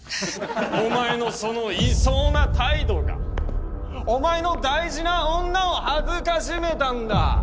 お前のそのいそうな態度がお前の大事な女を辱めたんだ！